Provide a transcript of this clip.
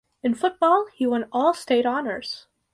In football, he won All-State honors.